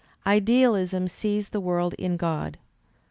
"Idealism sees the world in God.